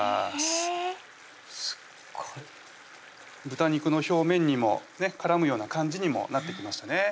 へぇすっごい豚肉の表面にも絡むような感じにもなってきましたね